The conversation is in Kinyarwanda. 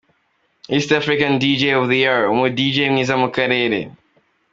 East African Deejay of the year: Umu Deejay mwiza wo mu karere.